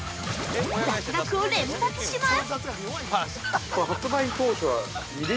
雑学を連発します。